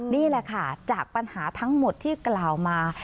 นี่แหละค่ะจากปัญหาทั้งหมดที่กล่าวมา